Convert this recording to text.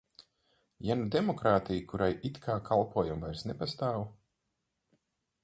Ja nu demokrātija, kurai it kā kalpojam, vairs nepastāv?